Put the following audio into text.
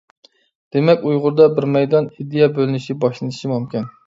دېمەك ئۇيغۇردا بىر مەيدان ئىدىيە بۆلىنىشى باشلىنىشى مۇمكىن.